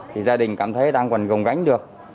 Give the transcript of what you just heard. thì gia đình cảm thấy đang còn gồng gánh được